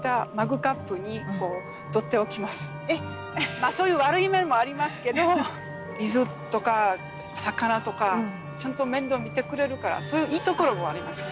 まそういう悪い面もありますけど水とか魚とかちゃんと面倒見てくれるからそういういいところもありますね。